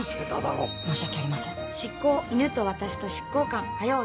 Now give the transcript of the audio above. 申し訳ありません。